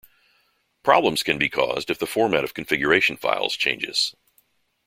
Problems can be caused if the format of configuration files changes.